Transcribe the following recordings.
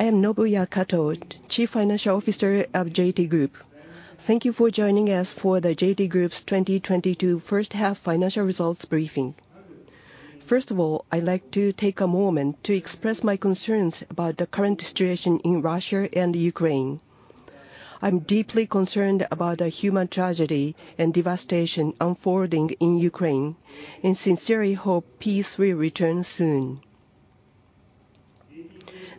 I am Nobuya Kato, Chief Financial Officer of JT Group. Thank you for joining us for the JT Group's 2022 first half financial results briefing. First of all, I'd like to take a moment to express my concerns about the current situation in Russia and Ukraine. I'm deeply concerned about the human tragedy and devastation unfolding in Ukraine, and sincerely hope peace will return soon.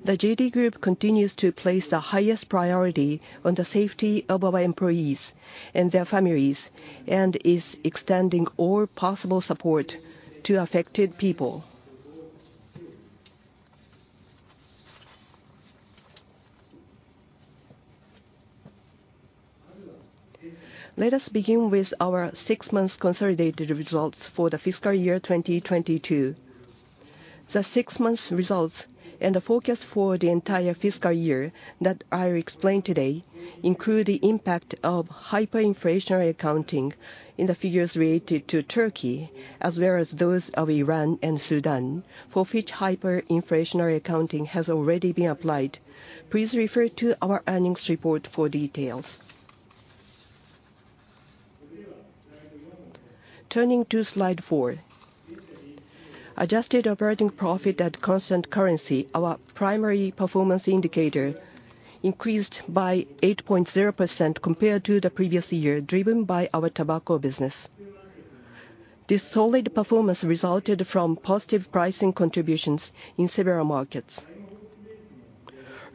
The JT Group continues to place the highest priority on the safety of our employees and their families, and is extending all possible support to affected people. Let us begin with our six months consolidated results for the fiscal year 2022. The six months results and the forecast for the entire fiscal year that I'll explain today include the impact of hyperinflationary accounting in the figures related to Turkey, as well as those of Iran and Sudan, for which hyperinflationary accounting has already been applied. Please refer to our earnings report for details. Turning to slide four. Adjusted operating profit at constant currency, our primary performance indicator, increased by 8.0% compared to the previous year, driven by our tobacco business. This solid performance resulted from positive pricing contributions in several markets.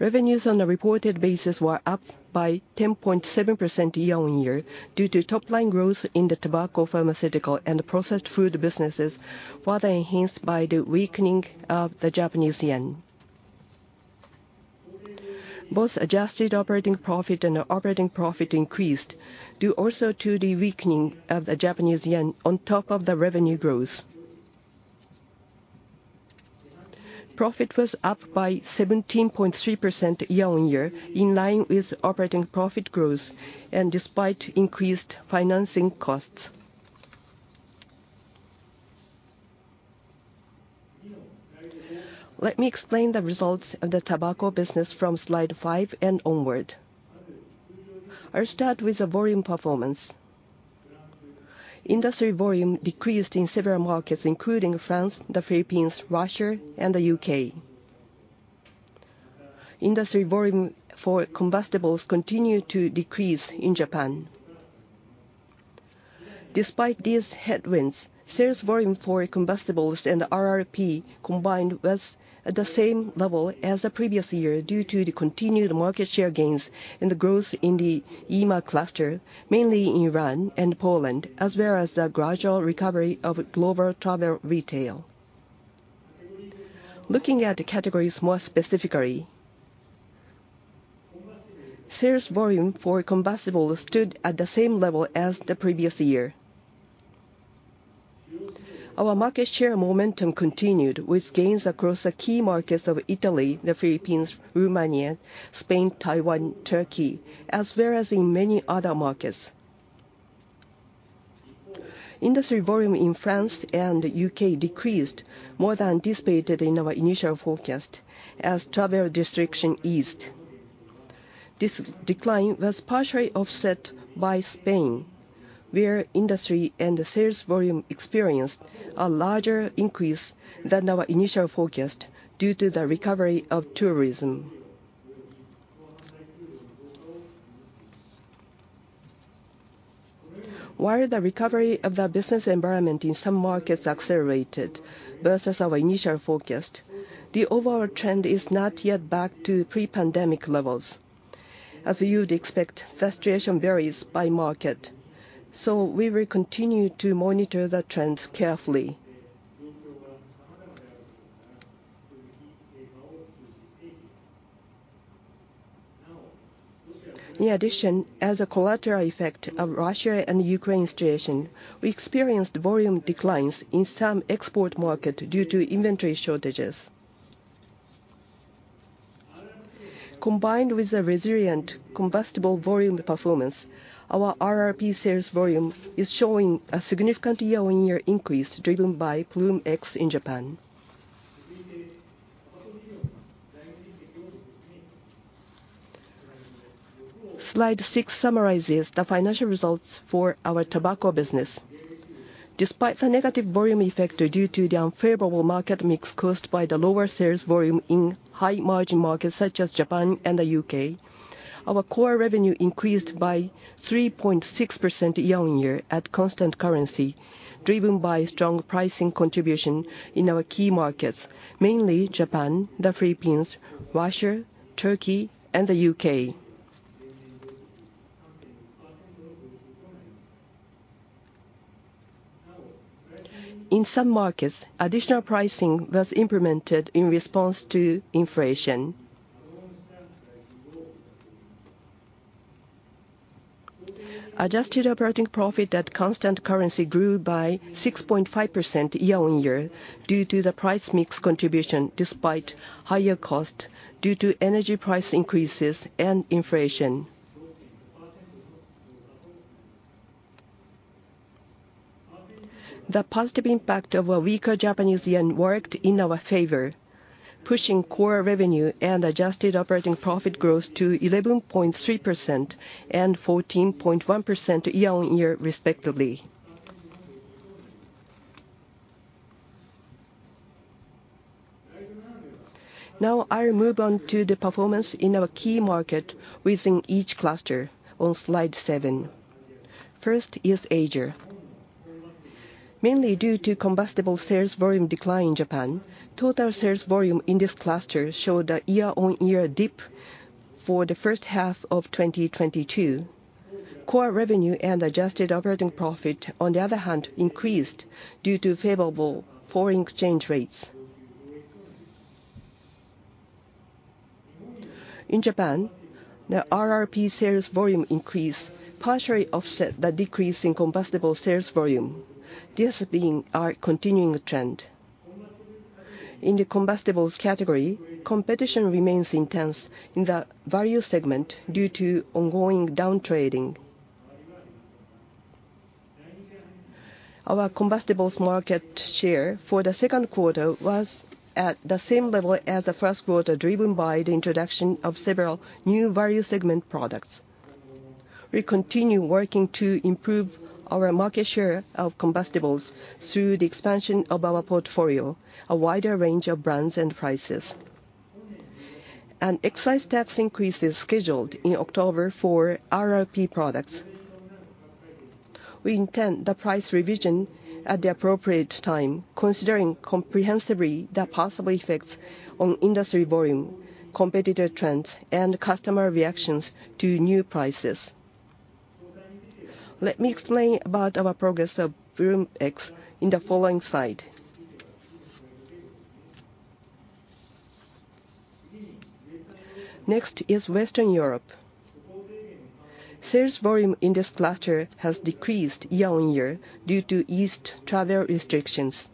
Revenues on a reported basis were up by 10.7% year-over-year due to top line growth in the tobacco, pharmaceutical, and processed food businesses, further enhanced by the weakening of the Japanese yen. Both adjusted operating profit and operating profit increased due also to the weakening of the Japanese yen on top of the revenue growth. Profit was up by 17.3% year-over-year, in line with operating profit growth and despite increased financing costs. Let me explain the results of the tobacco business from Slide five and onward. I'll start with the volume performance. Industry volume decreased in several markets, including France, the Philippines, Russia, and the U.K. Industry volume for combustibles continued to decrease in Japan. Despite these headwinds, sales volume for combustibles and RRP combined was at the same level as the previous year due to the continued market share gains and the growth in the EMA cluster, mainly in Iran and Poland, as well as the gradual recovery of global travel retail. Looking at the categories more specifically, sales volume for combustibles stood at the same level as the previous year. Our market share momentum continued with gains across the key markets of Italy, the Philippines, Romania, Spain, Taiwan, Turkey, as well as in many other markets. Industry volume in France and the U.K. decreased more than anticipated in our initial forecast as travel restrictions eased. This decline was partially offset by Spain, where industry and the sales volume experienced a larger increase than our initial forecast due to the recovery of tourism. While the recovery of the business environment in some markets accelerated versus our initial forecast, the overall trend is not yet back to pre-pandemic levels. As you would expect, the situation varies by market, so we will continue to monitor the trends carefully. In addition, as a collateral effect of Russia-Ukraine situation, we experienced volume declines in some export markets due to inventory shortages. Combined with the resilient combustible volume performance, our RRP sales volume is showing a significant year-on-year increase driven by Ploom X in Japan. Slide six summarizes the financial results for our tobacco business. Despite the negative volume effect due to the unfavorable market mix caused by the lower sales volume in high-margin markets such as Japan and the UK, our core revenue increased by 3.6% year-on-year at constant currency, driven by strong pricing contribution in our key markets, mainly Japan, the Philippines, Russia, Turkey, and the UK. In some markets, additional pricing was implemented in response to inflation. Adjusted operating profit at constant currency grew by 6.5% year-on-year due to the price mix contribution, despite higher cost due to energy price increases and inflation. The positive impact of a weaker Japanese yen worked in our favor, pushing core revenue and adjusted operating profit growth to 11.3% and 14.1% year-on-year respectively. Now I'll move on to the performance in our key market within each cluster on slide seven. First is Asia. Mainly due to combustibles sales volume decline in Japan, total sales volume in this cluster showed a year-on-year dip for the first half of 2022. Core revenue and adjusted operating profit, on the other hand, increased due to favorable foreign exchange rates. In Japan, the RRP sales volume increased, partially offset the decrease in combustibles sales volume, this being our continuing trend. In the combustibles category, competition remains intense in the value segment due to ongoing down-trading. Our combustibles market share for the Q2 was at the same level as the Q1, driven by the introduction of several new value segment products. We continue working to improve our market share of combustibles through the expansion of our portfolio, a wider range of brands and prices. An excise tax increase is scheduled in October for RRP products. We intend the price revision at the appropriate time, considering comprehensively the possible effects on industry volume, competitor trends, and customer reactions to new prices. Let me explain about our progress of Ploom X in the following slide. Next is Western Europe. Sales volume in this cluster has decreased year-on-year due to eased travel restrictions.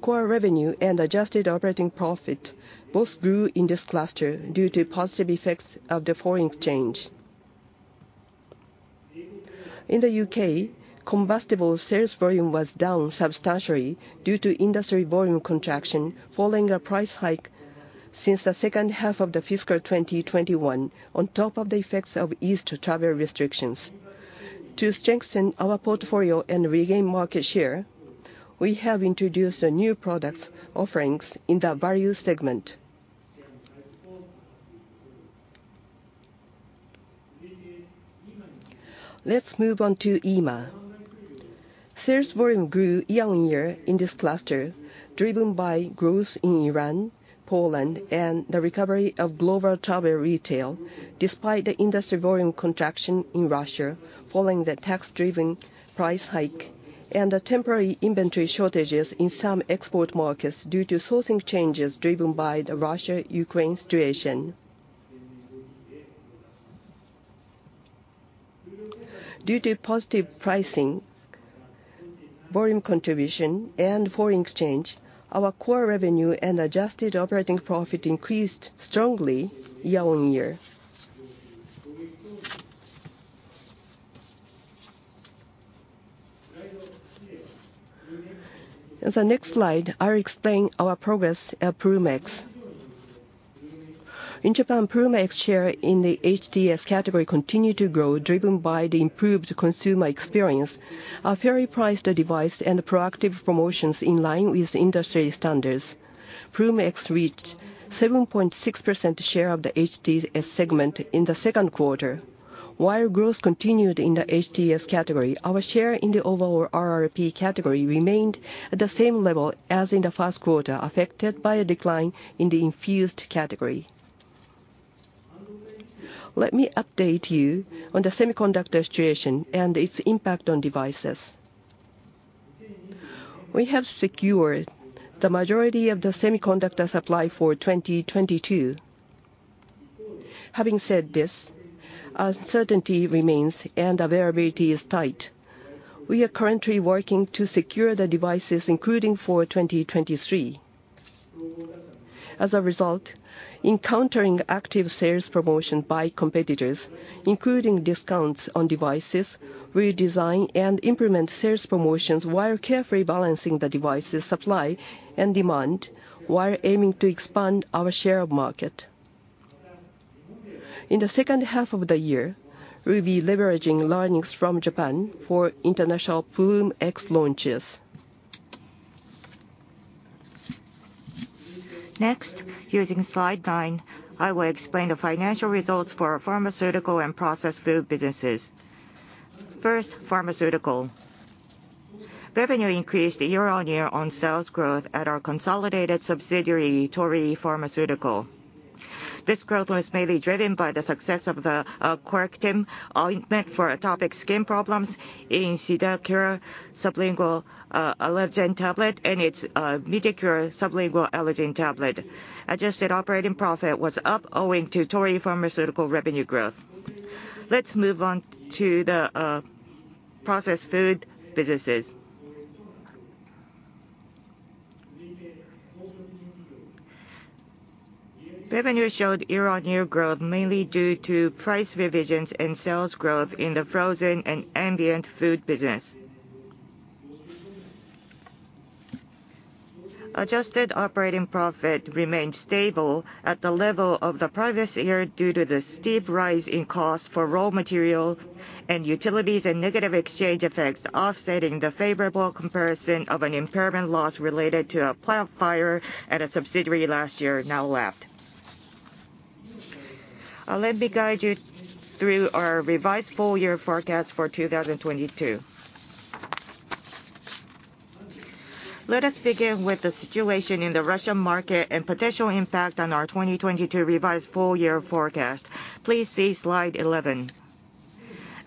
Core revenue and adjusted operating profit both grew in this cluster due to positive effects of the foreign exchange. In the UK, combustible sales volume was down substantially due to industry volume contraction following a price hike since the second half of the fiscal 2021, on top of the effects of eased travel restrictions. To strengthen our portfolio and regain market share, we have introduced new product offerings in the value segment. Let's move on to EMEA. Sales volume grew year-on-year in this cluster, driven by growth in Iran, Poland, and the recovery of global travel retail, despite the industry volume contraction in Russia following the tax-driven price hike and the temporary inventory shortages in some export markets due to sourcing changes driven by the Russia-Ukraine situation. Due to positive pricing, volume contribution, and foreign exchange, our core revenue and adjusted operating profit increased strongly year-on-year. On the next slide, I'll explain our progress at Ploom X. In Japan, Ploom X share in the HTS category continued to grow, driven by the improved consumer experience, a fairly priced device, and proactive promotions in line with industry standards. Ploom X reached 7.6% share of the HTS segment in the Q2. While growth continued in the HTS category, our share in the overall RRP category remained at the same level as in the first quarter, affected by a decline in the infused category. Let me update you on the semiconductor situation and its impact on devices. We have secured the majority of the semiconductor supply for 2022. Having said this, uncertainty remains and availability is tight. We are currently working to secure the devices, including for 2023. As a result, encountering active sales promotion by competitors, including discounts on devices, redesign, and implement sales promotions while carefully balancing the devices supply and demand, while aiming to expand our share of market. In the second half of the year, we'll be leveraging learnings from Japan for international Ploom X launches. Next, using slide 9, I will explain the financial results for our pharmaceutical and processed food businesses. First, pharmaceutical. Revenue increased year-on-year on sales growth at our consolidated subsidiary, Torii Pharmaceutical. This growth was mainly driven by the success of the Corectim ointment for atopic dermatitis and CEDARCURE sublingual allergen tablet and its MITICURE sublingual allergen tablet. Adjusted operating profit was up owing to Torii Pharmaceutical revenue growth. Let's move on to the processed food businesses. Revenue showed year-on-year growth mainly due to price revisions and sales growth in the frozen and ambient food business. Adjusted operating profit remained stable at the level of the previous year due to the steep rise in cost for raw material and utilities, and negative exchange effects offsetting the favorable comparison of an impairment loss related to a plant fire at a subsidiary last year now left. Let me guide you through our revised full year forecast for 2022. Let us begin with the situation in the Russian market and potential impact on our 2022 revised full year forecast. Please see slide 11.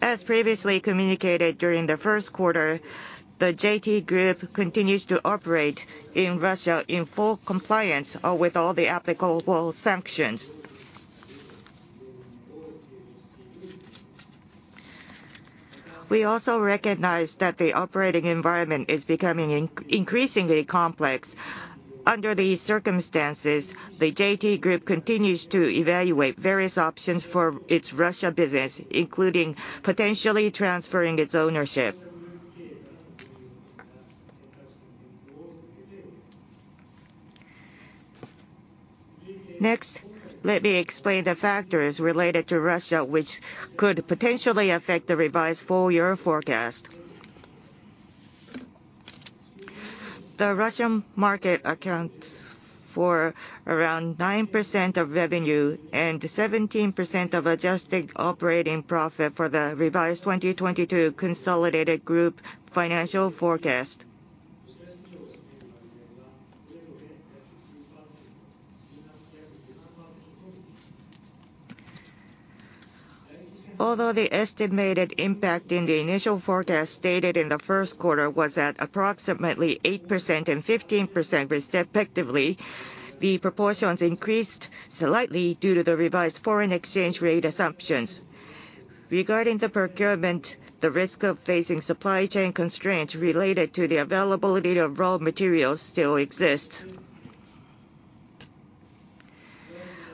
As previously communicated during the first quarter, the JT Group continues to operate in Russia in full compliance with all the applicable sanctions. We also recognize that the operating environment is becoming increasingly complex. Under these circumstances, the JT Group continues to evaluate various options for its Russia business, including potentially transferring its ownership. Next, let me explain the factors related to Russia which could potentially affect the revised full year forecast. The Russian market accounts for around 9% of revenue and 17% of adjusted operating profit for the revised 2022 consolidated group financial forecast. Although the estimated impact in the initial forecast stated in the first quarter was at approximately 8% and 15% respectively, the proportions increased slightly due to the revised foreign exchange rate assumptions. Regarding the procurement, the risk of facing supply chain constraints related to the availability of raw materials still exists.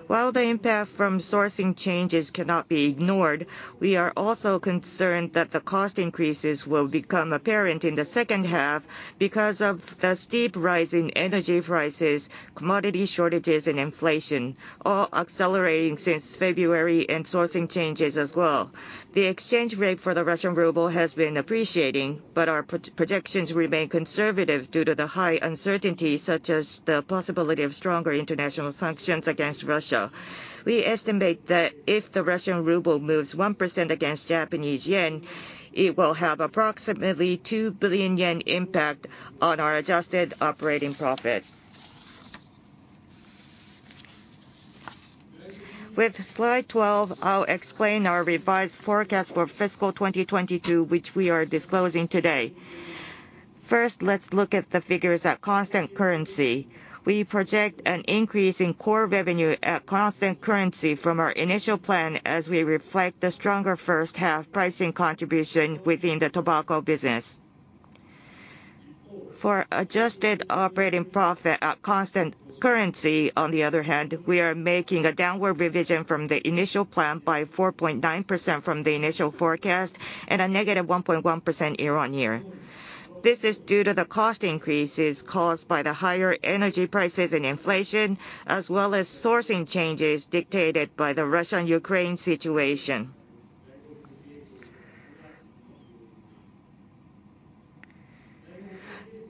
While the impact from sourcing changes cannot be ignored, we are also concerned that the cost increases will become apparent in the second half because of the steep rise in energy prices, commodity shortages and inflation, all accelerating since February and sourcing changes as well. The exchange rate for the Russian ruble has been appreciating, but our projections remain conservative due to the high uncertainty such as the possibility of stronger international sanctions against Russia. We estimate that if the Russian ruble moves 1% against Japanese yen, it will have approximately 2 billion yen impact on our adjusted operating profit. With slide 12, I'll explain our revised forecast for fiscal 2022, which we are disclosing today. First, let's look at the figures at constant currency. We project an increase in core revenue at constant currency from our initial plan as we reflect the stronger first half pricing contribution within the tobacco business. For adjusted operating profit at constant currency, on the other hand, we are making a downward revision from the initial plan by 4.9% from the initial forecast and a -1.1% year-over-year. This is due to the cost increases caused by the higher energy prices and inflation, as well as sourcing changes dictated by the Russia and Ukraine situation.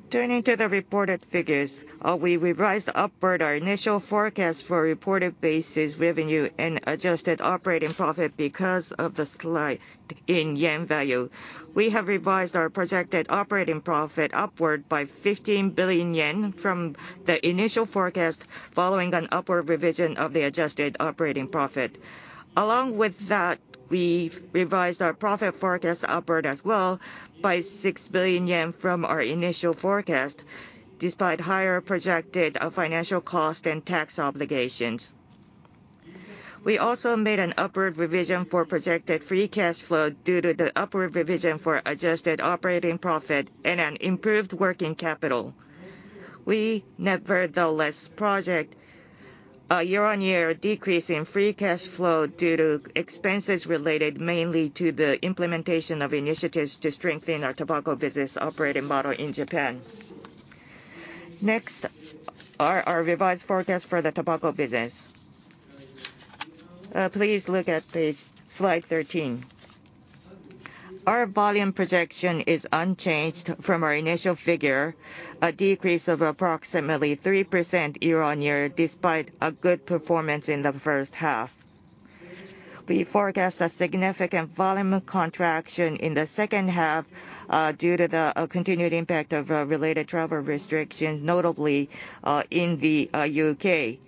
Turning to the reported figures, we revised upward our initial forecast for reported basis revenue and adjusted operating profit because of the slide in yen value. We have revised our projected operating profit upward by 15 billion yen from the initial forecast following an upward revision of the adjusted operating profit. Along with that, we revised our profit forecast upward as well by 6 billion yen from our initial forecast, despite higher projected financial cost and tax obligations. We also made an upward revision for projected free cash flow due to the upward revision for adjusted operating profit and an improved working capital. We nevertheless project a year-on-year decrease in free cash flow due to expenses related mainly to the implementation of initiatives to strengthen our tobacco business operating model in Japan. Next, our revised forecast for the tobacco business. Please look at Slide 13. Our volume projection is unchanged from our initial figure, a decrease of approximately 3% year-on-year, despite a good performance in the first half. We forecast a significant volume of contraction in the second half, due to the continued impact of related travel restrictions, notably in the U.K.,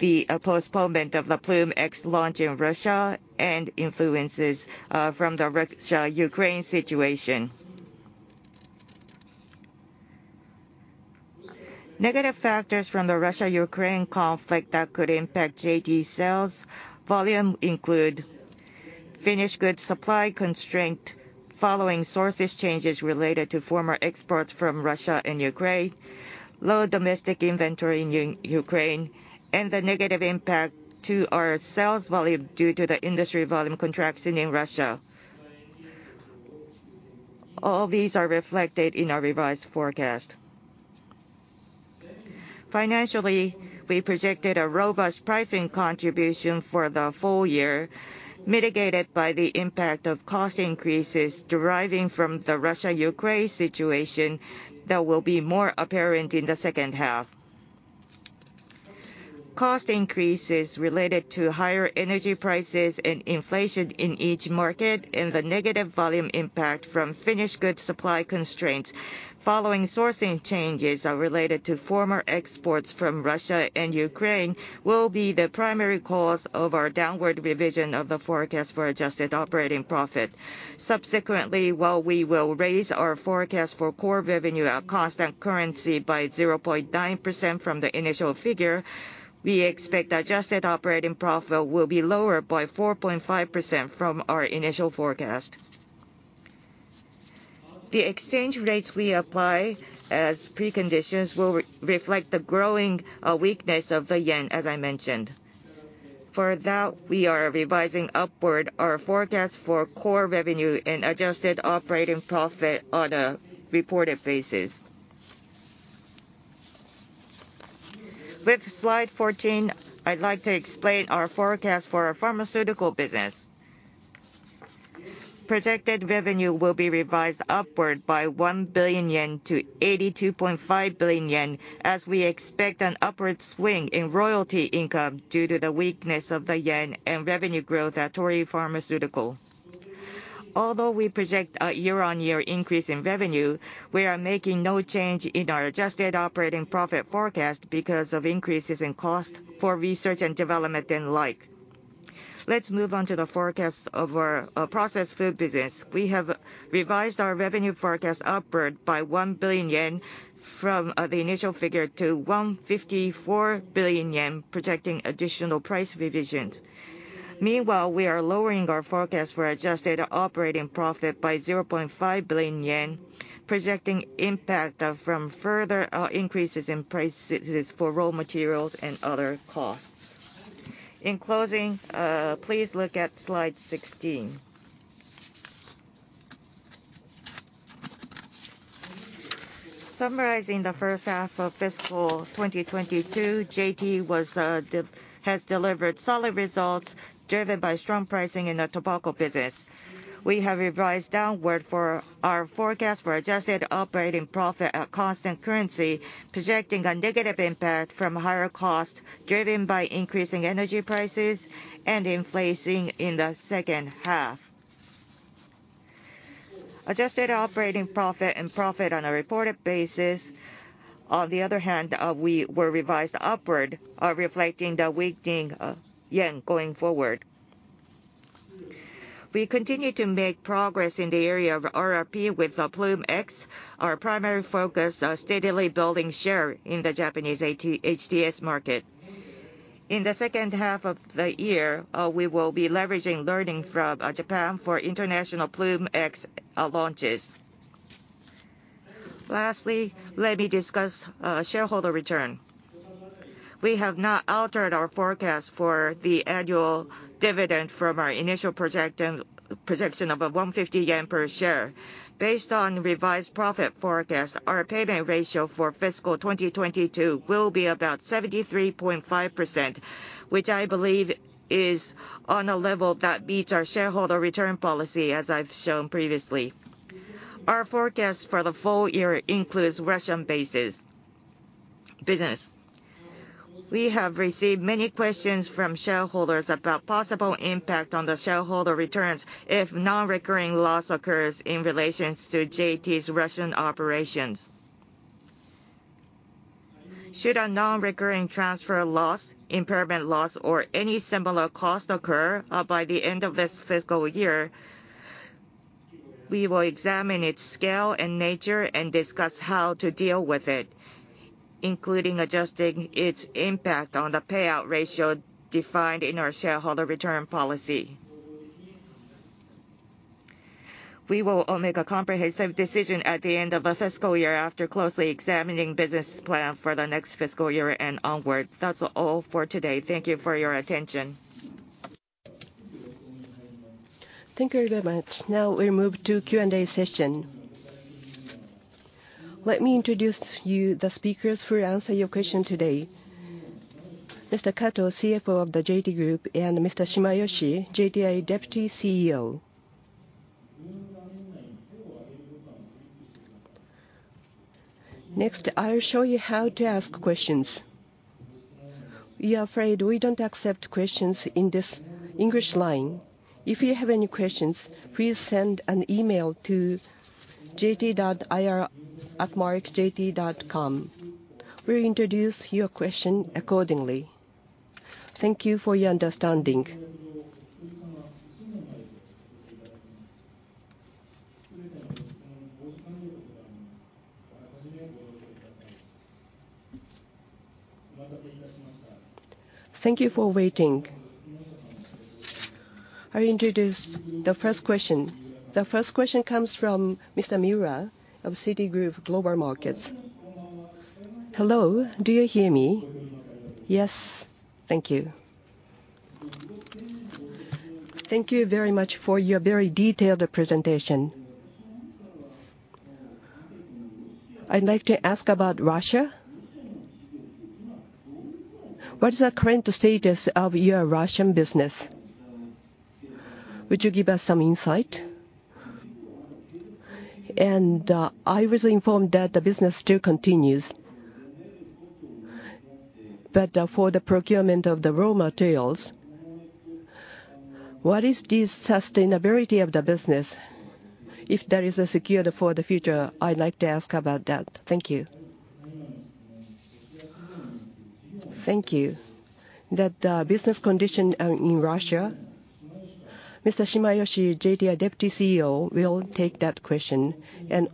the postponement of the Ploom X launch in Russia, and influences from the Russia-Ukraine situation. Negative factors from the Russia-Ukraine conflict that could impact JT sales volume include finished goods supply constraint following sourcing changes related to former exports from Russia and Ukraine, low domestic inventory in Ukraine, and the negative impact to our sales volume due to the industry volume contraction in Russia. All these are reflected in our revised forecast. Financially, we projected a robust pricing contribution for the full year, mitigated by the impact of cost increases deriving from the Russia-Ukraine situation that will be more apparent in the second half. Cost increases related to higher energy prices and inflation in each market, and the negative volume impact from finished goods supply constraints following sourcing changes, are related to former exports from Russia and Ukraine, will be the primary cause of our downward revision of the forecast for adjusted operating profit. Subsequently, while we will raise our forecast for core revenue at constant currency by 0.9% from the initial figure, we expect adjusted operating profit will be lower by 4.5% from our initial forecast. The exchange rates we apply as preconditions will reflect the growing weakness of the yen, as I mentioned. For that, we are revising upward our forecast for core revenue and adjusted operating profit on a reported basis. With slide 14, I'd like to explain our forecast for our pharmaceutical business. Projected revenue will be revised upward by 1 billion yen to 82.5 billion yen, as we expect an upward swing in royalty income due to the weakness of the yen and revenue growth at Torii Pharmaceutical. Although we project a year-on-year increase in revenue, we are making no change in our adjusted operating profit forecast because of increases in cost for research and development and like. Let's move on to the forecast of our processed food business. We have revised our revenue forecast upward by 1 billion yen from the initial figure to 154 billion yen, projecting additional price revisions. Meanwhile, we are lowering our forecast for adjusted operating profit by 0.5 billion yen, projecting impact from further increases in prices for raw materials and other costs. In closing, please look at slide 16. Summarizing the first half of fiscal 2022, JT has delivered solid results driven by strong pricing in the tobacco business. We have revised downward for our forecast for adjusted operating profit at constant currency, projecting a negative impact from higher costs driven by increasing energy prices and inflation in the second half. Adjusted operating profit and profit on a reported basis, on the other hand, we were revised upward, reflecting the weakening yen going forward. We continue to make progress in the area of RRP with Ploom X, our primary focus on steadily building share in the Japanese HTS market. In the second half of the year, we will be leveraging learning from Japan for international Ploom X launches. Lastly, let me discuss shareholder return. We have not altered our forecast for the annual dividend from our initial project and projection of 150 yen per share. Based on revised profit forecast, our payout ratio for fiscal 2022 will be about 73.5%, which I believe is on a level that beats our shareholder return policy, as I've shown previously. Our forecast for the full year includes Russian-based business. We have received many questions from shareholders about possible impact on the shareholder returns if non-recurring loss occurs in relation to JT's Russian operations. Should a non-recurring transfer loss, impairment loss, or any similar cost occur by the end of this fiscal year, we will examine its scale and nature and discuss how to deal with it, including adjusting its impact on the payout ratio defined in our shareholder return policy. We will all make a comprehensive decision at the end of the fiscal year after closely examining business plan for the next fiscal year and onward. That's all for today. Thank you for your attention. Thank you very much. Now we move to Q&A session. Let me introduce you the speakers who will answer your question today. Mr. Kato, CFO of the JT Group, and Mr. Shimayoshi, JTI Deputy CEO. Next, I'll show you how to ask questions. We are afraid we don't accept questions in this English line. If you have any questions, please send an email to jt.ir@jt.com. We'll introduce your question accordingly. Thank you for your understanding. Thank you for waiting. I introduce the first question. The first question comes from Mr. Minami of Citigroup Global Markets. Hello, do you hear me? Yes. Thank you. Thank you very much for your very detailed presentation. I'd like to ask about Russia. What is the current status of your Russian business? Would you give us some insight? And, I was informed that the business still continues. For the procurement of the raw materials, what is the sustainability of the business? If that is secured for the future, I'd like to ask about that. Thank you. Thank you. That business condition in Russia, Mr. Shimayoshi, JTI Deputy CEO, will take that question.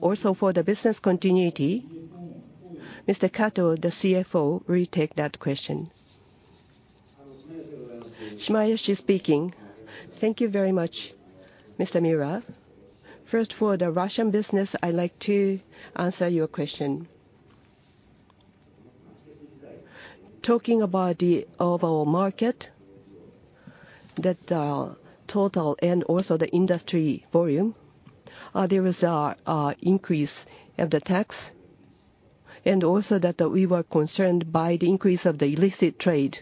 Also for the business continuity, Mr. Kato, the CFO, will take that question. Shimayoshi speaking. Thank you very much, Mr. Minami. First, for the Russian business, I'd like to answer your question. Talking about the overall market, that total and also the industry volume, there was an increase of the tax. Also that we were concerned by the increase of the illicit trade.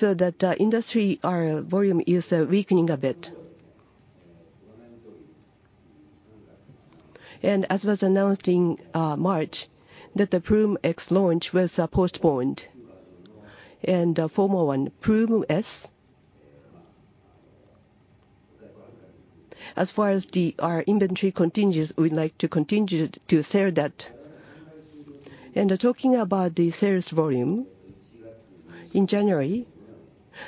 That industry volume is weakening a bit. As was announced in March, that the Ploom X launch was postponed. Former one, Ploom S. As far as our inventory continues, we'd like to continue to sell that. Talking about the sales volume, in January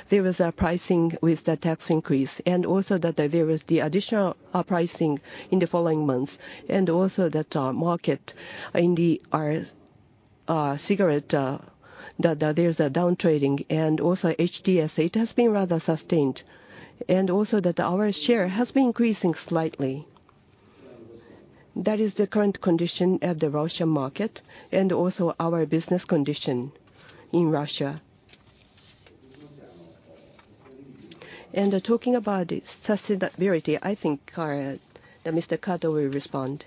there was a pricing with the tax increase. That there was the additional pricing in the following months. Market in the cigarette that there's down-trading. And also HTS, it has been rather sustained. That our share has been increasing slightly. That is the current condition of the Russian market and also our business condition in Russia. Talking about sustainability, I think that Mr. Kato will respond.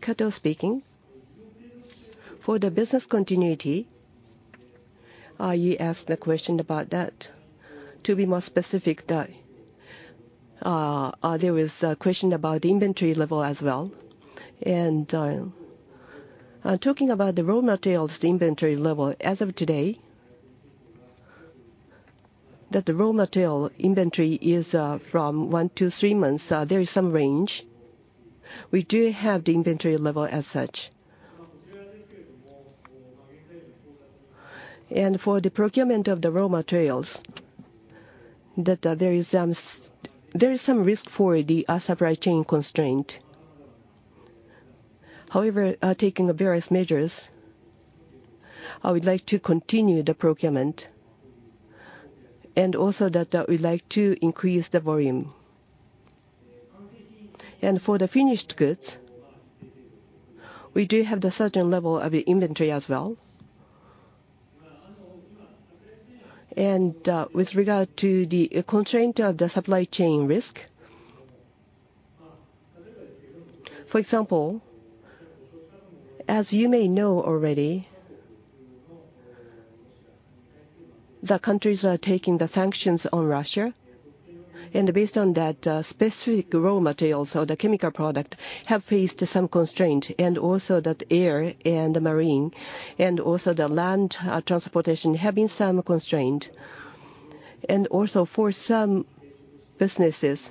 Kato speaking. For the business continuity, you asked a question about that. To be more specific, there was a question about inventory level as well. Talking about the raw materials inventory level, as of today, that the raw material inventory is from one to three months. There is some range. We do have the inventory level as such. For the procurement of the raw materials, that there is some risk for the supply chain constraint. However, taking the various measures, I would like to continue the procurement. Also that we'd like to increase the volume. For the finished goods, we do have the certain level of inventory as well. With regard to the constraint of the supply chain risk. For example, as you may know already, the countries are taking the sanctions on Russia. Based on that, specific raw materials or the chemical product have faced some constraint. Air and marine and also the land transportation have been some constraint. For some businesses,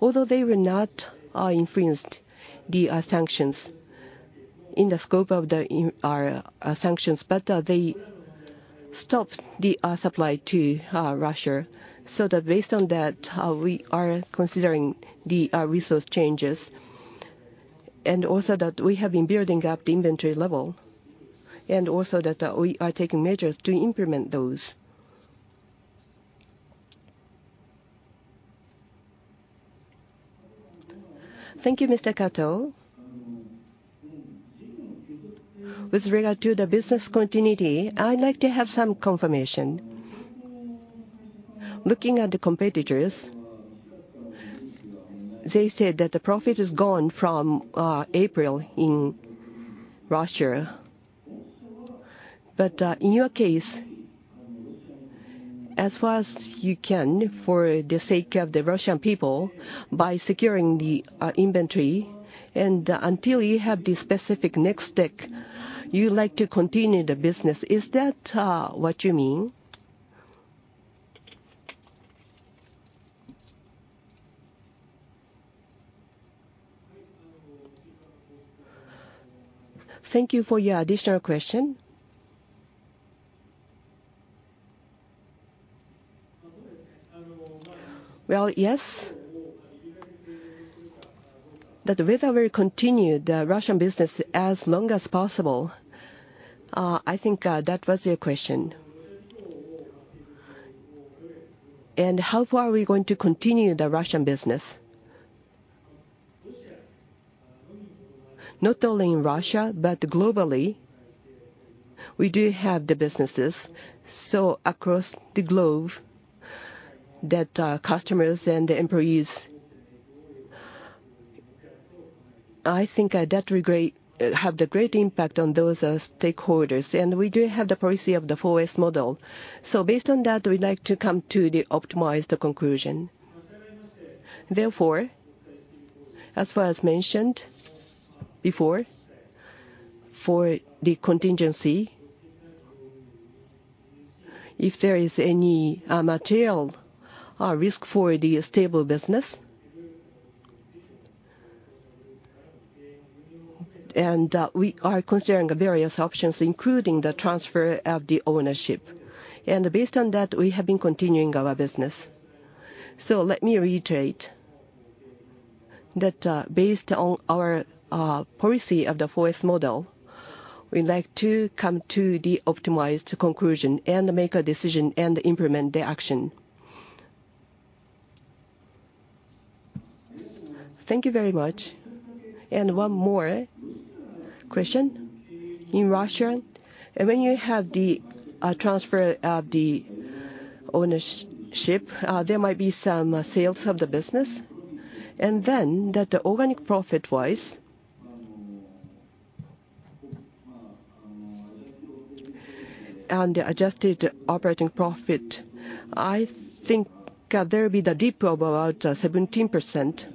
although they were not influenced by the sanctions in the scope of our sanctions, but they stopped the supply to Russia. That based on that, we are considering the resource changes. That we have been building up the inventory level, and also that we are taking measures to implement those. Thank you, Mr. Kato. With regard to the business continuity, I'd like to have some confirmation. Looking at the competitors, they said that the profit is gone from April in Russia. In your case, as far as you can for the sake of the Russian people, by securing the inventory and until you have the specific next step, you would like to continue the business. Is that what you mean? Thank you for your additional question. Well, yes. That whether we continue the Russian business as long as possible, I think, that was your question. How far are we going to continue the Russian business? Not only in Russia, but globally, we do have the businesses. Across the globe that, customers and employees, I think, that have the great impact on those stakeholders. We do have the policy of the 4S model. Based on that, we'd like to come to the optimized conclusion. Therefore, as far as mentioned before, for the contingency, if there is any, material risk for the stable business. We are considering various options, including the transfer of the ownership. Based on that, we have been continuing our business. Let me reiterate that, based on our policy of the 4S model, we'd like to come to the optimized conclusion and make a decision and implement the action. Thank you very much. One more question. In Russia, when you have the transfer of the ownership, there might be some sales of the business. That organic profit-wise and adjusted operating profit, I think, there will be the dip of about 17%.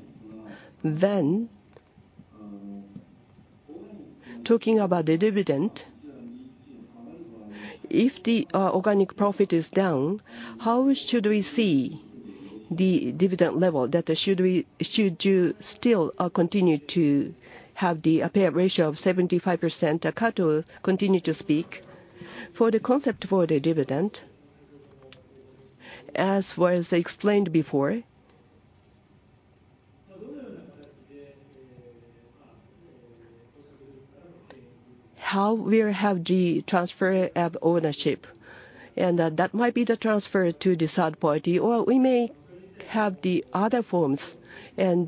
Talking about the dividend, if the organic profit is down, how should we see the dividend level? Should you still continue to have the payout ratio of 75%? Kato, continue to speak. For the concept for the dividend, as far as explained before, how we'll have the transfer of ownership, and that might be the transfer to the third party, or we may have the other forms, and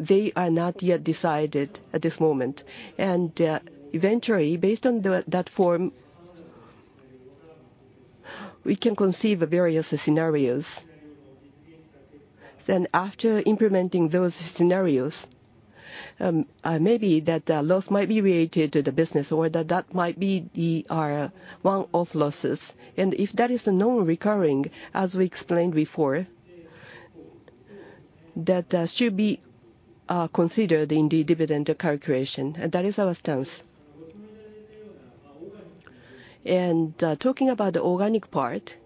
they are not yet decided at this moment. Eventually, based on that form, we can conceive various scenarios. After implementing those scenarios, maybe that loss might be related to the business, or that might be the one-off losses. If that is non-recurring, as we explained before, that should be considered in the dividend calculation. That is our stance. Talking about the organic part,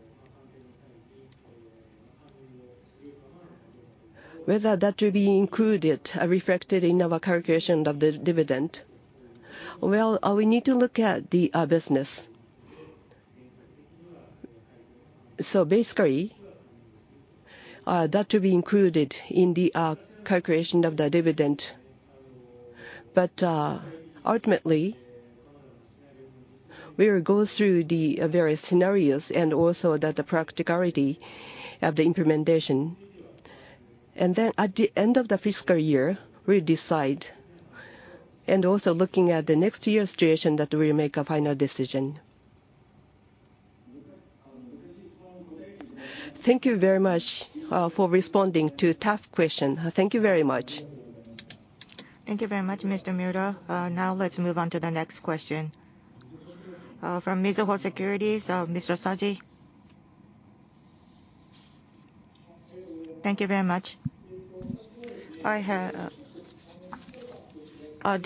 whether that will be included or reflected in our calculation of the dividend. Well, we need to look at the business. Basically, that will be included in the calculation of the dividend. Ultimately, we'll go through the various scenarios and also the practicality of the implementation. At the end of the fiscal year, we'll decide. Also looking at the next year's situation that we'll make a final decision. Thank you very much for responding to tough question. Thank you very much. Thank you very much, Mr. Minami. Now let's move on to the next question. From Mizuho Securities, Mr. Saji. Thank you very much. I have a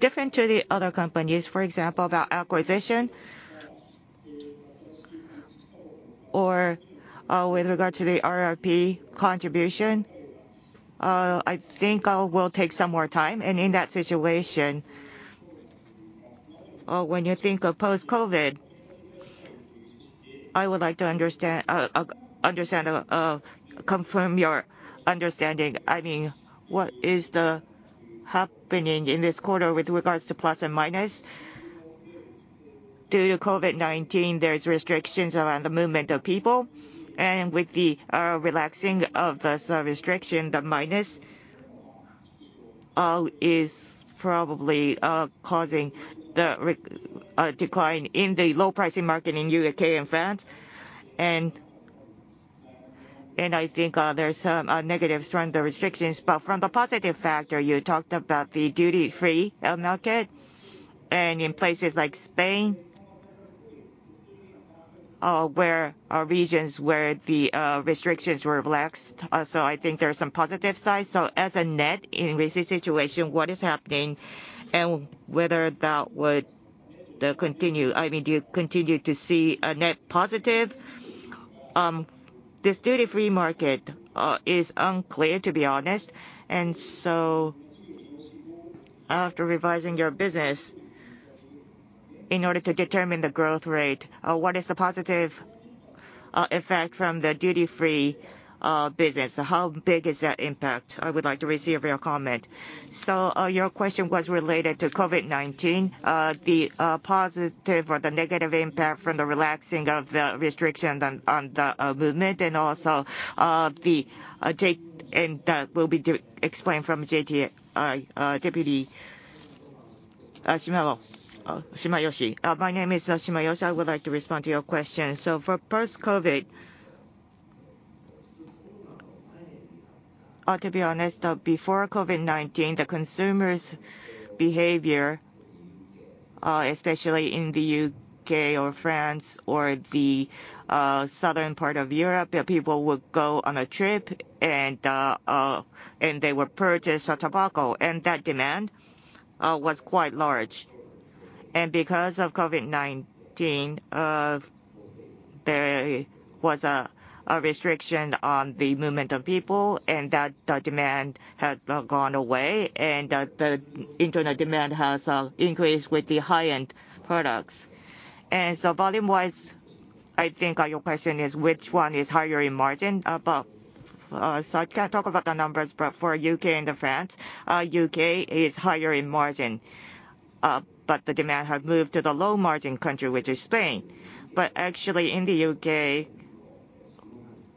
different to the other companies, for example, about acquisition or, with regard to the RRP contribution. I think we'll take some more time. In that situation, when you think of post-COVID, I would like to understand, confirm your understanding. I mean, what is happening in this quarter with regards to plus and minus? Due to COVID-19, there's restrictions around the movement of people. With the relaxing of some restriction, the minus is probably causing the decline in the low pricing market in U.K. and France. I think there's some negatives from the restrictions. But from the positive factor, you talked about the duty-free market. In places like Spain, in regions where the restrictions were relaxed. I think there's some positive sides. In this situation, as a net, what is happening and whether that would continue? I mean, do you continue to see a net positive? This duty-free market is unclear, to be honest. After revising your business in order to determine the growth rate, what is the positive effect from the duty-free business? How big is that impact? I would like to receive your comment. Your question was related to COVID-19. The positive or the negative impact from the relaxing of the restriction on the movement. That will be explained by JTI Deputy Shimayoshi. My name is Shimayoshi. I would like to respond to your question. For post-COVID, to be honest, before COVID-19, the consumers' behavior, especially in the UK or France or the southern part of Europe, people would go on a trip and they would purchase a tobacco, and that demand was quite large. Because of COVID-19, there was a restriction on the movement of people and that demand had gone away and the internet demand has increased with the high-end products. Volume-wise, I think your question is which one is higher in margin. I can't talk about the numbers, but for UK and the France, UK is higher in margin. The demand have moved to the low margin country, which is Spain. Actually, in the U.K.,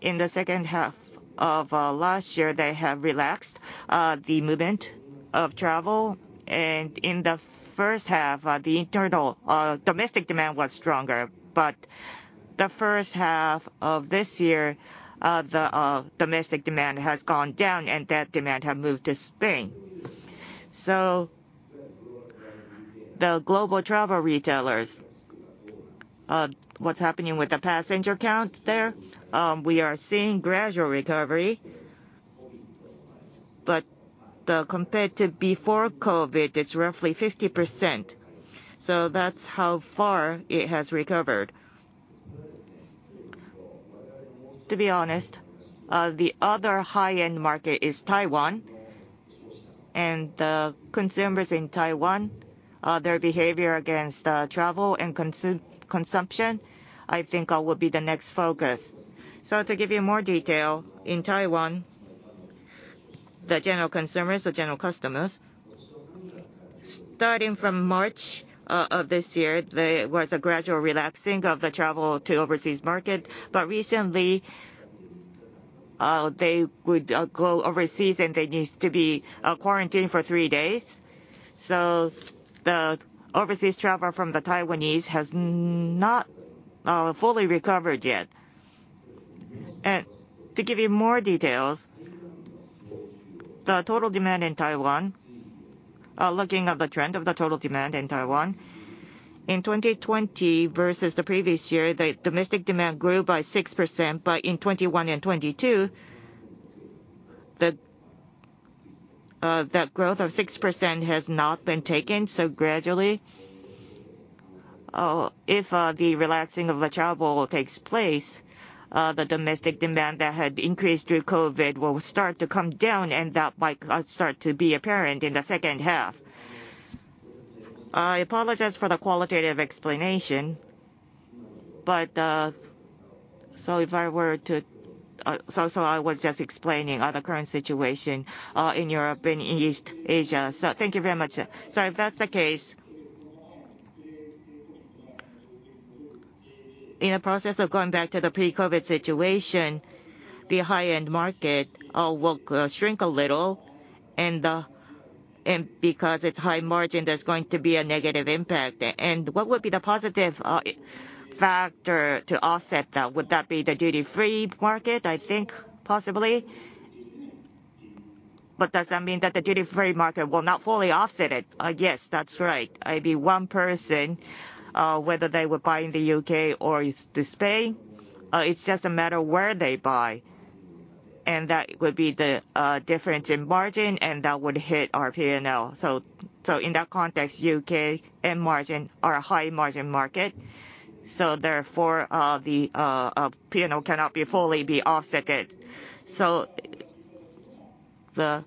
in the second half of last year, they have relaxed the movement of travel. In the first half, the internal domestic demand was stronger. The first half of this year, the domestic demand has gone down and that demand have moved to Spain. The global travel retailers, what's happening with the passenger count there, we are seeing gradual recovery. Compared to before COVID, it's roughly 50%. That's how far it has recovered. To be honest, the other high-end market is Taiwan. The consumers in Taiwan, their behavior against travel and consumption, I think, will be the next focus. To give you more detail, in Taiwan, the general consumers or general customers, starting from March of this year, there was a gradual relaxing of the travel to overseas market. Recently, they would go overseas and they needs to be quarantined for three days. The overseas travel from the Taiwanese has not fully recovered yet. To give you more details, the total demand in Taiwan, looking at the trend of the total demand in Taiwan, in 2020 versus the previous year, the domestic demand grew by 6%. In 2021 and 2022, that growth of 6% has not been taken. Gradually, if the relaxing of the travel takes place, the domestic demand that had increased through COVID will start to come down and that might start to be apparent in the second half. I apologize for the qualitative explanation, but if I were to. I was just explaining the current situation in Europe and in East Asia. Thank you very much. If that's the case, in the process of going back to the pre-COVID situation, the high-end market will shrink a little and because it's high margin, there's going to be a negative impact. What would be the positive factor to offset that? Would that be the duty-free market? I think possibly. But does that mean that the duty-free market will not fully offset it? Yes, that's right. Maybe one person whether they were buying in the UK or in Spain it's just a matter where they buy and that would be the difference in margin and that would hit our P&L. In that context, UK is a high margin market, so therefore the P&L cannot be fully offset. The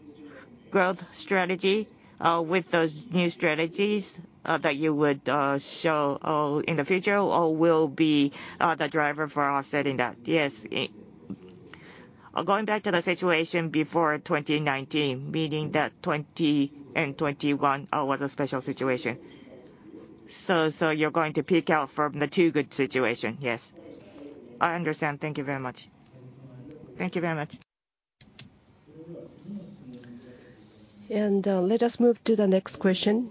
growth strategy with those new strategies that you would show in the future or will be the driver for offsetting that? Yes. Going back to the situation before 2019, meaning that 2020 and 2021 was a special situation. You're going to peak out from the two good situation? Yes. I understand. Thank you very much. Thank you very much. Let us move to the next question.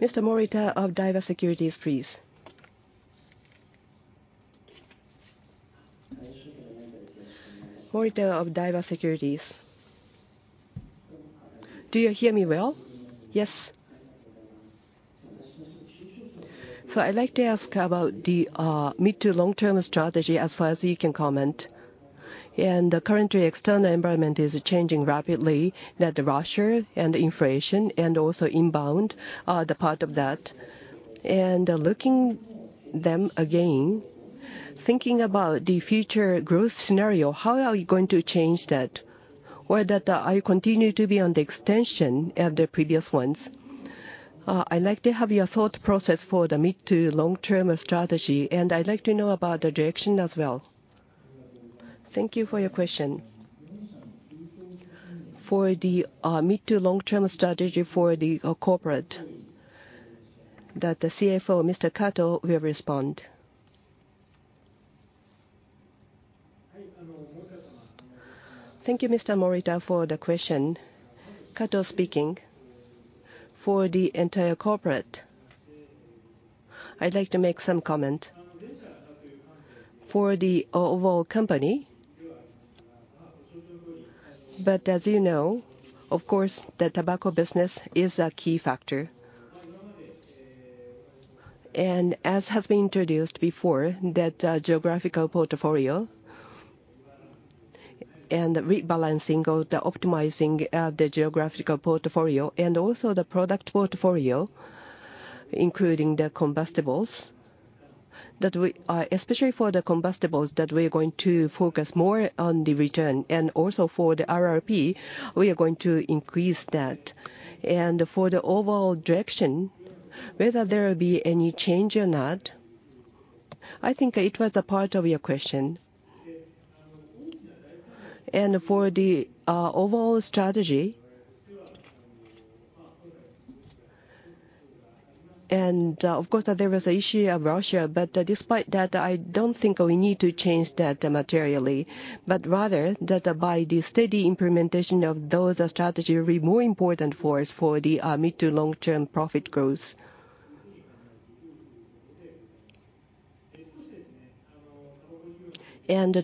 Mr. Morita of Daiwa Securities, please. Morita of Daiwa Securities. Do you hear me well? Yes. I'd like to ask about the mid to long-term strategy as far as you can comment. Currently external environment is changing rapidly that Russia and inflation and also inbound are the part of that. Looking them again, thinking about the future growth scenario, how are you going to change that? Whether that are continue to be on the extension of the previous ones. I'd like to have your thought process for the mid to long-term strategy, and I'd like to know about the direction as well. Thank you for your question. For the mid to long-term strategy for the corporate that the CFO, Mr. Kato, will respond. Thank you, Mr. Morita, for the question. Kato speaking. For the entire corporate, I'd like to make some comment. For the overall company, but as you know, of course, the tobacco business is a key factor. As has been introduced before, that geographical portfolio and rebalancing or the optimizing of the geographical portfolio and also the product portfolio, especially for the combustibles that we are going to focus more on the return, and also for the RRP we are going to increase that. For the overall direction, whether there will be any change or not, I think it was a part of your question. For the overall strategy, and of course there was the issue of Russia, but despite that I don't think we need to change that materially. Rather that by the steady implementation of those strategy will be more important for us for the mid to long-term profit growth.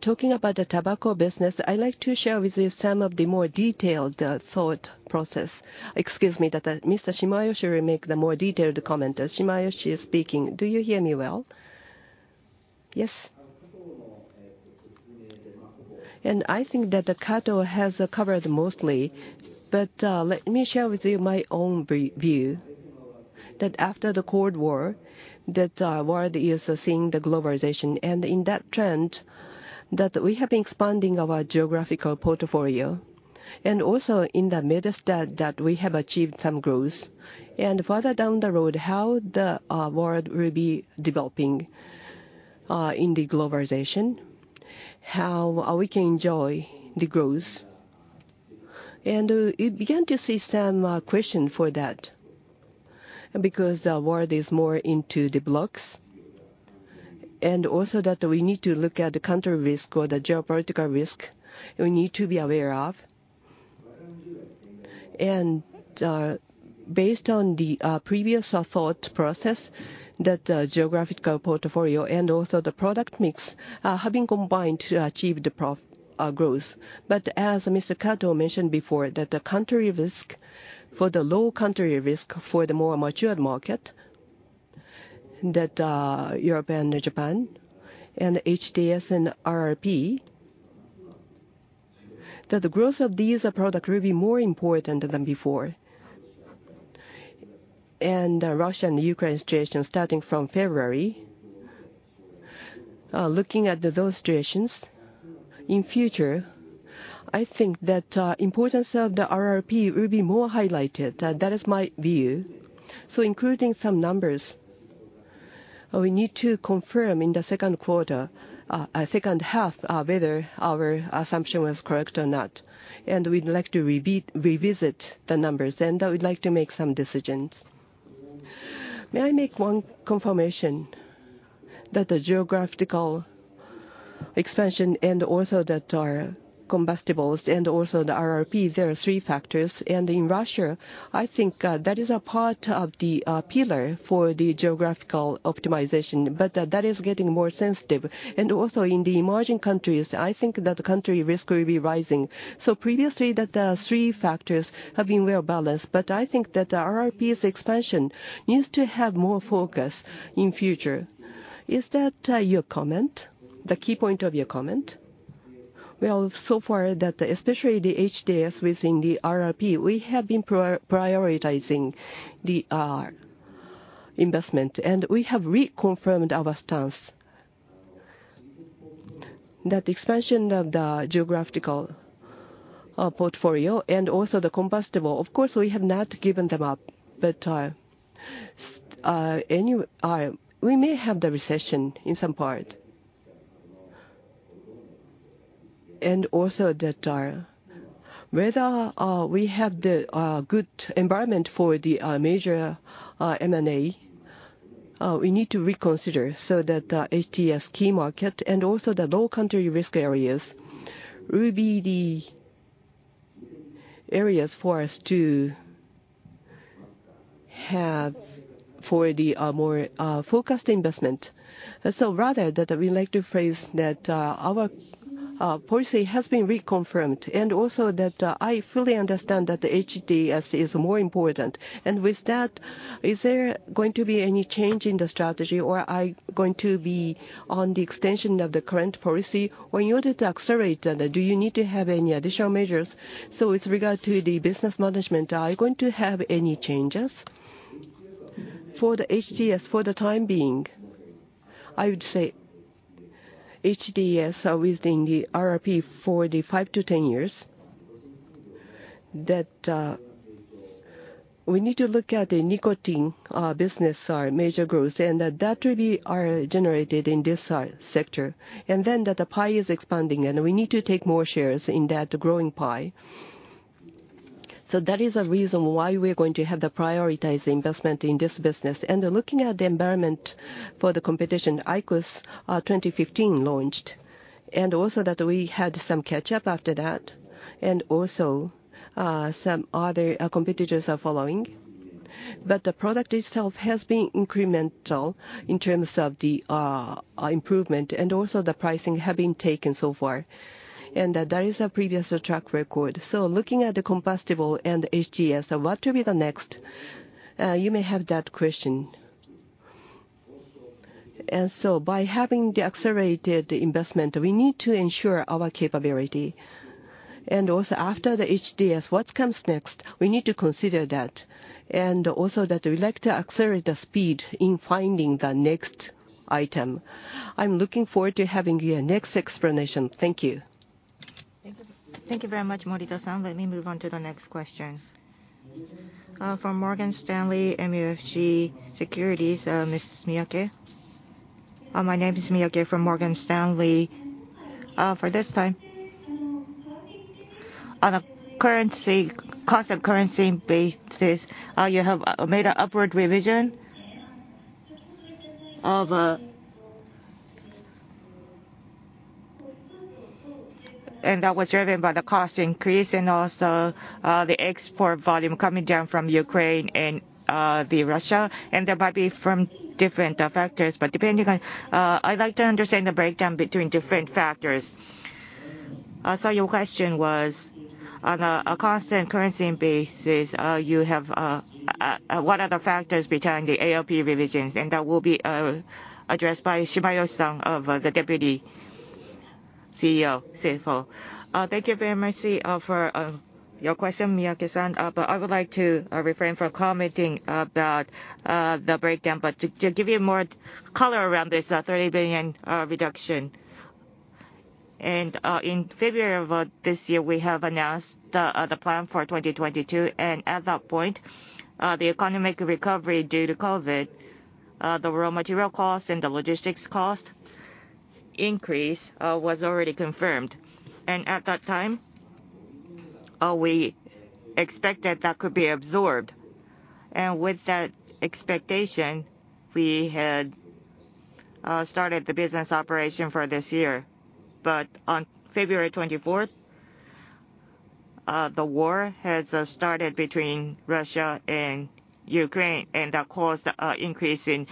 Talking about the tobacco business, I'd like to share with you some of the more detailed thought process. Excuse me, Mr. Shimayoshi will make the more detailed comment. Shimayoshi is speaking. Do you hear me well? Yes. I think that Kato has covered mostly, but let me share with you my own view. That after the Cold War, world is seeing the globalization. In that trend we have been expanding our geographical portfolio. Also in the midst of that we have achieved some growth. Further down the road, how the world will be developing in the globalization, how we can enjoy the growth. You begin to see some question for that because the world is more into the blocks. Also that we need to look at the country risk or the geopolitical risk we need to be aware of. Based on the previous thought process that geographical portfolio and also the product mix have been combined to achieve the growth. As Mr. Kato mentioned before, the country risk, for the low country risk for the more matured market that Europe and Japan and HTS and RRP, the growth of these product will be more important than before. Russia and Ukraine situation starting from February, looking at those situations, in future I think that importance of the RRP will be more highlighted. That is my view. Including some numbers, we need to confirm in the Q2, second half, whether our assumption was correct or not. We'd like to revisit the numbers, and we'd like to make some decisions. May I make one confirmation? That the geographical expansion and also that our combustibles and also the RRP, there are three factors. In Russia, I think that is a part of the pillar for the geographical optimization. That is getting more sensitive. Also in the emerging countries, I think that country risk will be rising. Previously that the three factors have been well balanced, but I think that the RRP's expansion needs to have more focus in future. Is that your comment, the key point of your comment? Well, so far that especially the HTS within the RRP, we have been prioritizing the investment. We have reconfirmed our stance that expansion of the geographical portfolio and also the combustibles, of course we have not given them up. But we may have the recession in some part. Also, that whether we have the good environment for the major M&A, we need to reconsider so that HTS key market and also the low country risk areas will be the areas for us to have for the more focused investment. Rather, that we like to phrase that our policy has been reconfirmed, and also that I fully understand that the HTS is more important. With that, is there going to be any change in the strategy, or are going to be on the extension of the current policy? When you were to accelerate, do you need to have any additional measures? With regard to the business management, are you going to have any changes? For the HTS, for the time being, I would say HTS are within the RRP for the 5-10 years. That, we need to look at the nicotine business, our major growth, and that will be generated in this sector. That the pie is expanding, and we need to take more shares in that growing pie. That is a reason why we're going to have the prioritized investment in this business. Looking at the environment for the competition, IQOS, 2015 launched, and also that we had some catch up after that, and also, some other competitors are following. The product itself has been incremental in terms of the improvement, and also the pricing have been taken so far. That is our previous track record. Looking at the combustibles and HTS, what will be next? You may have that question. By having the accelerated investment, we need to ensure our capability. After the HTS, what comes next? We need to consider that. That we'd like to accelerate the speed in finding the next item. I'm looking forward to having your next explanation. Thank you. Thank you very much, Morita-san. Let me move on to the next question. From Morgan Stanley MUFG Securities, Miss Miyake. My name is Miyake from Morgan Stanley. For this time, on a constant currency basis, you have made an upward revision of. That was driven by the cost increase and also the export volume coming down from Ukraine and Russia, and that might be from different factors. Depending on, I'd like to understand the breakdown between different factors. So your question was, on a constant currency basis, you have what are the factors behind the AOP revisions? And that will be addressed by Shimayoshi-san of the Deputy CEO, CFO. Thank you very much for your question, Miyake-san. I would like to refrain from commenting about the breakdown. To give you more color around this 30 billion reduction. In February of this year, we have announced the plan for 2022, and at that point, the economic recovery due to COVID, the raw material cost and the logistics cost increase, was already confirmed. At that time, we expected that could be absorbed. With that expectation, we had started the business operation for this year. On February 24, the war has started between Russia and Ukraine, and that caused an increase in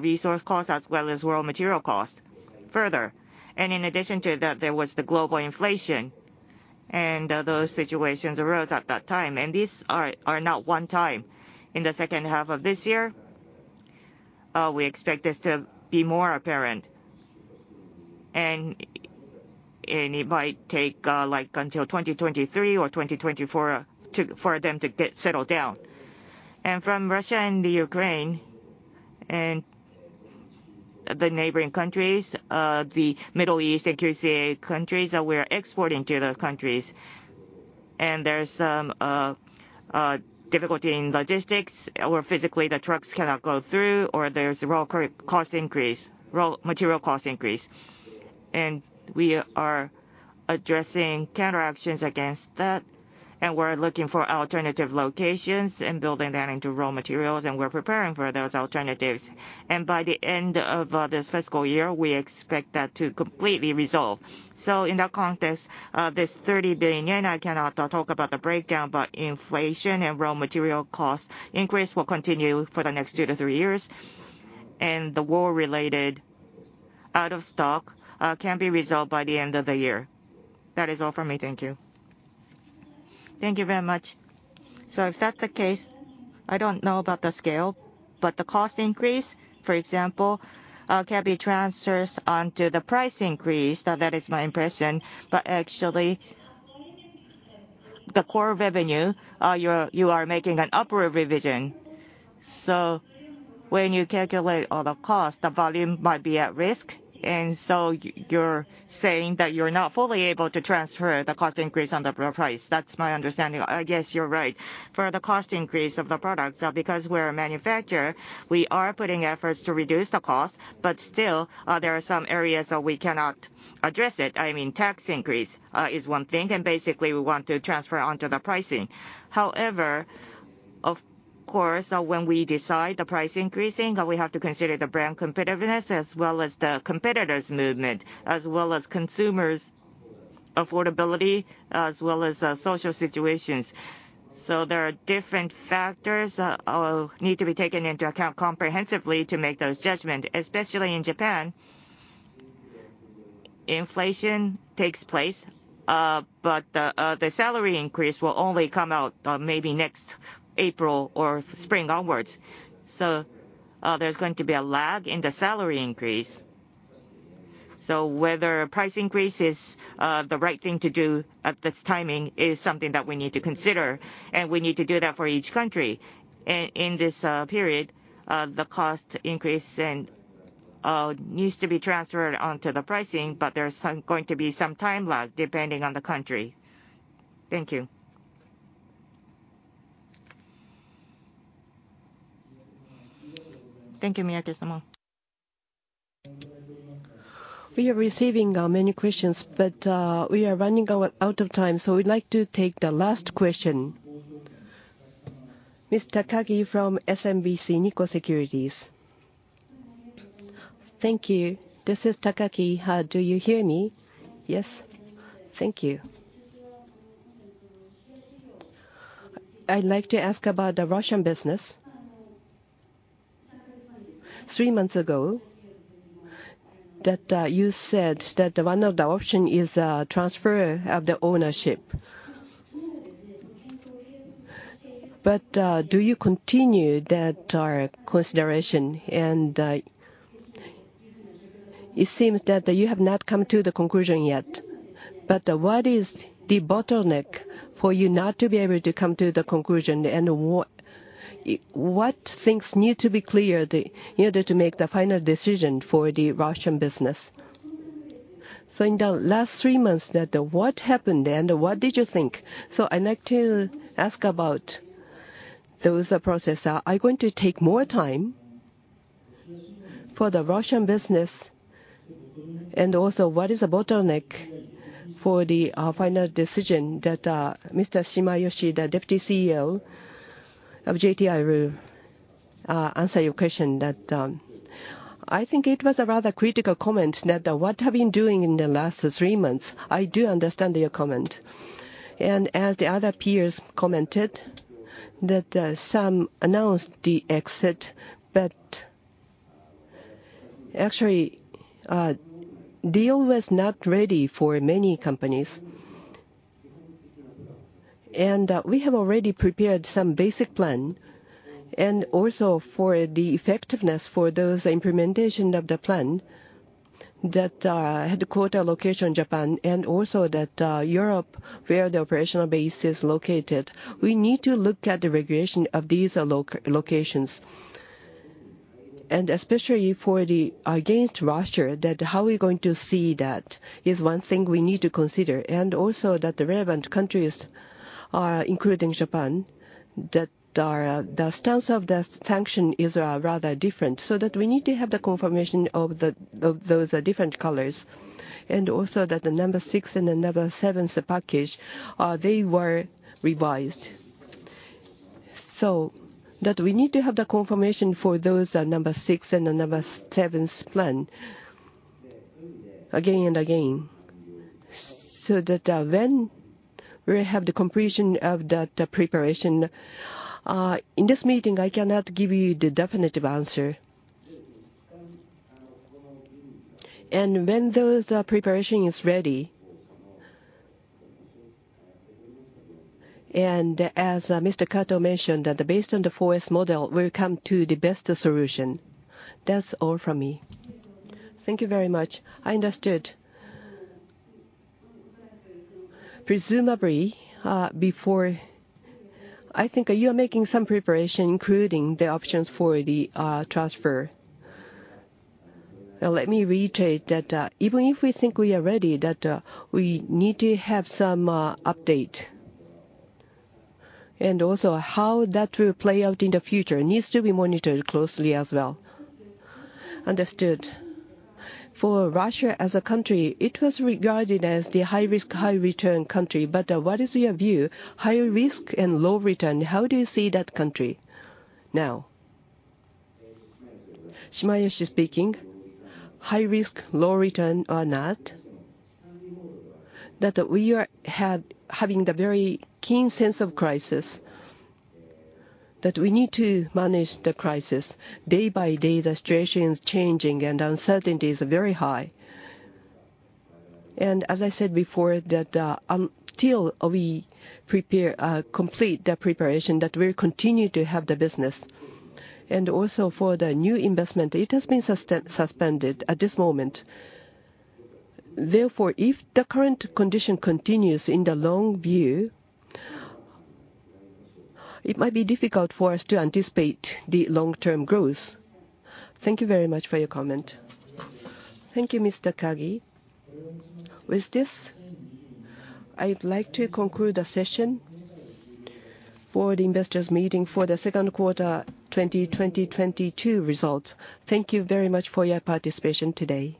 resource costs as well as raw material costs further. In addition to that, there was the global inflation, and those situations arose at that time. These are not one-time. In the second half of this year, we expect this to be more apparent. It might take, like until 2023 or 2024 for them to get settled down. From Russia and the Ukraine and the neighboring countries, the Middle East and CIS countries that we are exporting to those countries. There's some difficulty in logistics, or physically the trucks cannot go through, or there's raw cost increase, raw material cost increase. We are addressing counteractions against that. We're looking for alternative locations and building that into raw materials, and we're preparing for those alternatives. By the end of this fiscal year, we expect that to completely resolve. In that context, this 30 billion yen, I cannot talk about the breakdown, but inflation and raw material cost increase will continue for the next 2-3 years. The war-related out of stock can be resolved by the end of the year. That is all for me. Thank you. Thank you very much. If that's the case, I don't know about the scale, but the cost increase, for example, can be transferred onto the price increase. That is my impression. Actually, the core revenue, you are making an upward revision. When you calculate all the costs, the volume might be at risk. You're saying that you're not fully able to transfer the cost increase on the price. That's my understanding. I guess you're right. For the cost increase of the products, because we're a manufacturer, we are putting efforts to reduce the cost, but still, there are some areas that we cannot address it. I mean, tax increase is one thing, and basically we want to transfer onto the pricing. However, of course, when we decide the price increasing, we have to consider the brand competitiveness as well as the competitor's movement, as well as consumers' affordability as well as social situations. There are different factors need to be taken into account comprehensively to make those judgment. Especially in Japan, inflation takes place, but the salary increase will only come out, maybe next April or spring onwards. There's going to be a lag in the salary increase. Whether a price increase is the right thing to do at this timing is something that we need to consider, and we need to do that for each country. In this period, the cost increase and needs to be transferred onto the pricing, but there's going to be some time lag depending on the country. Thank you. Thank you, Miyake-san. We are receiving many questions, but we are running out of time, so we'd like to take the last question. Ms. Tsukasa Furuta from SMBC Nikko Securities. Thank you. This is Tsukasa Furuta. Do you hear me? Yes? Thank you. I'd like to ask about the Russian business. Three months ago, you said that one of the option is transfer of the ownership. Do you continue that consideration? It seems that you have not come to the conclusion yet. What is the bottleneck for you not to be able to come to the conclusion, and what things need to be clear in order to make the final decision for the Russian business? In the last three months, what happened and what did you think? I'd like to ask about those process. Are you going to take more time for the Russian business? What is the bottleneck for the final decision that Mr. Shimayoshi, the Deputy CEO of JTI will answer your question. that I think it was a rather critical comment that what have you been doing in the last three months? I do understand your comment. As the other peers commented that some announced the exit, but actually deal was not ready for many companies. We have already prepared some basic plan, and also for the effectiveness of the implementation of the plan that had to consider our locations Japan and also Europe where the operational base is located. We need to look at the regulation of these locations. Especially for the sanctions against Russia, that how we're going to see that is one thing we need to consider. Also that the relevant countries are, including Japan, that are, the stance of the sanctions is rather different. We need to have the confirmation of the, of those, different colors. Also that the number six and the number seven, they were revised. We need to have the confirmation for those, number six and the number seven's plan again and again. When we have the completion of that, preparation, in this meeting, I cannot give you the definitive answer. When those, preparation is ready, and as, Mr. Kato mentioned that based on the 4S model, we'll come to the best solution. That's all from me. Thank you very much. I understood. Presumably, I think you are making some preparation, including the options for the transfer. Let me reiterate that, even if we think we are ready, that we need to have some update. Also how that will play out in the future needs to be monitored closely as well. Understood. For Russia as a country, it was regarded as the high-risk, high-return country. What is your view? High risk and low return, how do you see that country now? Koji Shimayoshi speaking. High risk, low return or not, that we are having the very keen sense of crisis that we need to manage the crisis. Day by day, the situation is changing and uncertainties are very high. As I said before, until we complete the preparation, we'll continue to have the business. Also for the new investment, it has been suspended at this moment. Therefore, if the current condition continues in the long view, it might be difficult for us to anticipate the long-term growth. Thank you very much for your comment. Thank you, Mr. Furuta. With this, I'd like to conclude the session for the investors meeting for the Q2 2022 results. Thank you very much for your participation today.